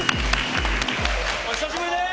お久しぶりです。